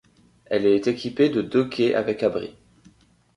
Elle est équipée de deux quais avec abris.